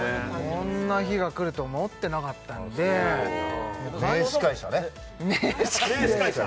こんな日が来ると思ってなかったんで名司会者ね名司会者